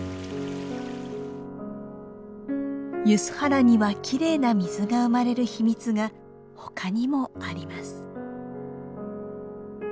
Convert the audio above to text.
梼原にはきれいな水が生まれる秘密がほかにもあります。